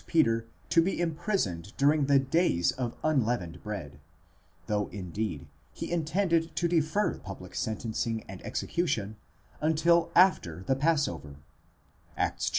Peter to be imprisoned during the days of unleavened bread ; though indeed he intended to defer the public sentencing and execution until after the passover (Acts xii.